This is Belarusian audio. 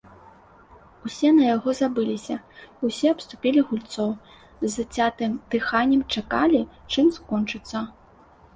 Усе на яго забыліся, усе абступілі гульцоў, з зацятым дыханнем чакалі, чым скончыцца.